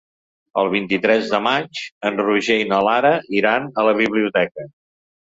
El vint-i-tres de maig en Roger i na Lara iran a la biblioteca.